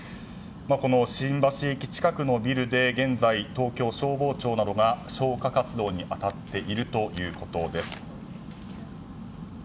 この新橋駅近くのビルで現在東京消防庁などが消火活動に当たっているということです。